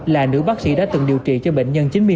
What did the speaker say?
là nữ bác sĩ đã từng điều trị cho bệnh nhân chín mươi bốn